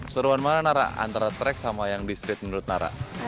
seruan mana nara antara track sama yang di street menurut nara